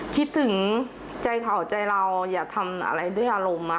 คิดถึงใจเขาใจเราอย่าทำอะไรด้วยอารมณ์